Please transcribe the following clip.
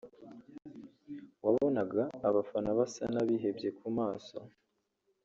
wabonaga abafana basa n’abihebye ku maso